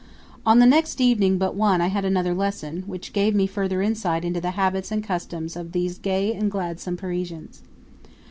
On the next evening but one I had another lesson, which gave me further insight into the habits and customs of these gay and gladsome Parisians.